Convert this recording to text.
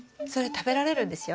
食べられるんですか？